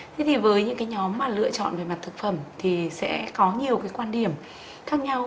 thế thì với những cái nhóm mà lựa chọn về mặt thực phẩm thì sẽ có nhiều cái quan điểm khác nhau